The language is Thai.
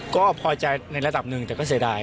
ก็พอใจในระดับหนึ่งแต่ก็เสียดาย